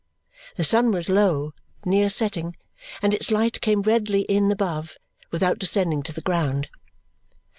The sun was low near setting and its light came redly in above, without descending to the ground.